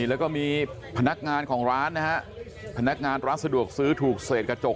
แล้วก็มีพนักงานของร้านนะฮะพนักงานร้านสะดวกซื้อถูกเศษกระจก